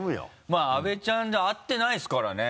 まぁ阿部ちゃんと会ってないですからね。